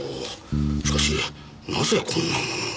しかしなぜこんな物を？